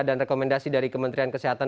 dan rekomendasi dari kementerian kesehatan